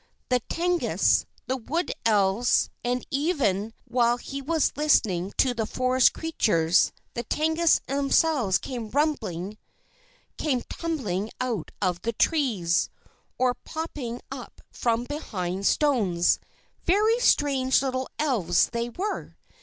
The Tengus, the Wood Elves. And even while he was listening to the forest creatures, the Tengus themselves came tumbling out of the trees, or popping up from behind stones. Very strange little Elves they were!